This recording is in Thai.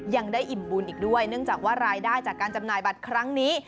ยังได้อิ่มบุญอีกด้วยเนื่องจากว่ารายได้จากการจำหน่ายบัตรครั้งนี้